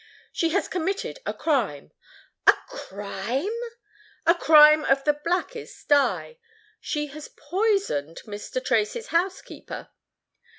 "She has committed a crime——" "A crime!" "A crime of the blackest dye: she has poisoned Mr. Tracy's housekeeper."